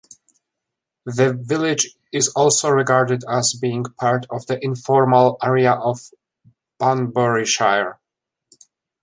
The village is also regarded as being part of the informal area of Banburyshire.